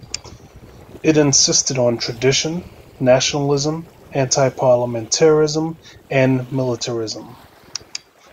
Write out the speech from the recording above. It insisted on tradition, nationalism, anti-parliamentarism and militarism.